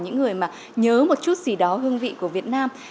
những người mà nhớ một chút gì đó hương vị của việt nam